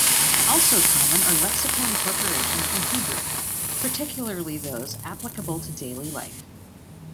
Also common are lexical incorporations from Hebrew, particularly those applicable to daily life.